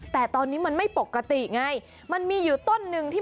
แต่ตอนนี้มันไม่ปกติไง